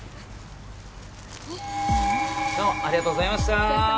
どうもありがとうございましたー！